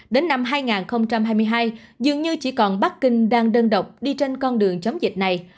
đến năm hai nghìn hai mươi hai dường như chỉ còn bắc kinh đang đơn độc đi trên con đường chống dịch này